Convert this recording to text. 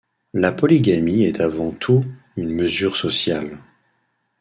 La polygamie est avant tout une mesure sociale.